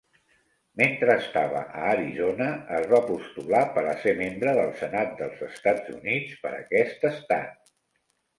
Mentre estava a Arizona, es va postular per a ser membre del Senat dels Estats Units per aquest estat.